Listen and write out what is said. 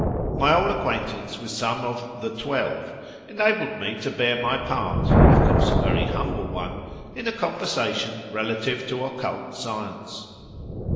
My old acquaintance with some of "the twelve" enabled me to bear my part (of course a very humble one) in a conversation relative to occult science.